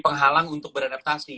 penghalang untuk beradaptasi